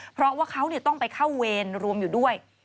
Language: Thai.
เพราะว่าเขาต้องไปเข้าเวรรวมอยู่ด้วย